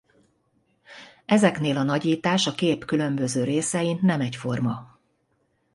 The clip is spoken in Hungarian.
Ezeknél a nagyítás a kép különböző részein nem egyforma.